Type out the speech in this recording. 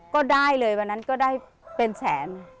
ก็ได้เลยวันนั้นก็ได้เป็นแสน